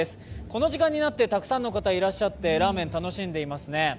この時間になってたくさんの方がいらっしゃってラーメンを楽しんでいますね。